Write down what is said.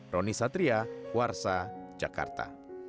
roni satria warsa jakarta